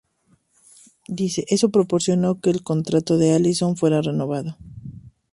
Eso propició que el contrato de Allison fuera renovado.